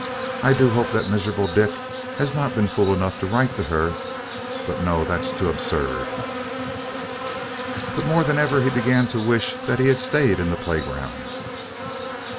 I do hope that miserable Dick has not been fool enough to write to her but no, that's too absurd." But more than ever he began to wish that he had stayed in the playground.